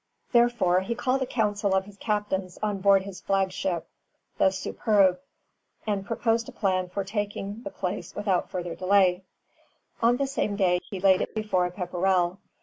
Therefore he called a council of his captains on board his flagship, the "Superbe," and proposed a plan for taking the place without further delay. On the same day he laid it before Pepperrell.